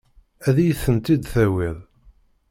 Ad iyi-ten-id-tawiḍ?